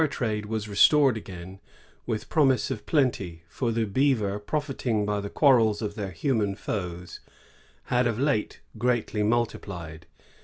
fur trade was restored again, with promise of plenty; for the beaver, profiting by the quarrels of their human foes, had of late greatly multiplied.